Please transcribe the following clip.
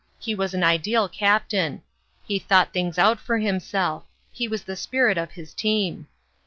He was an ideal captain. He thought things out for himself. He was the spirit of his team.